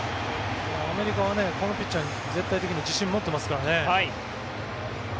アメリカはこのピッチャーに絶対的な自信を持っていますからね。